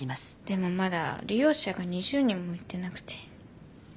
でもまだ利用者が２０人もいってなくて。